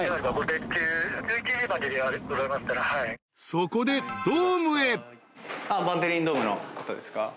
［そこでドームへ］